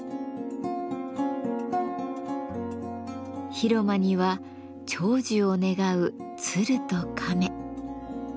広間には長寿を願う鶴と亀。